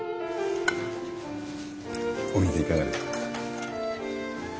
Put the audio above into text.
お水いかがですか？